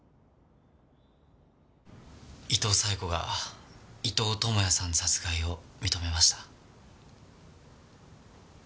伊東冴子が伊東知也さん殺害を認めました。